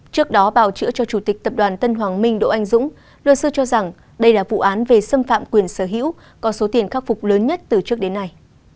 trước đó bào chữa cho chủ tịch tập đoàn tân hoàng minh đỗ anh dũng luật sư cho rằng đây là vụ án về xâm phạm quyền sở hữu có số tiền khắc phục lớn nhất từ trước đến nay